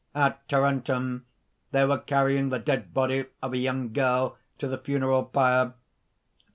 "At Tarentum they were carrying the dead body of a young girl to the funeral pyre."